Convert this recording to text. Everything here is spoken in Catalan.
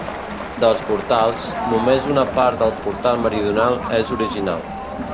Dels portals, només una part del portal meridional és original.